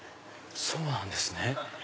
そうなんですね。